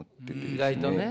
意外とね。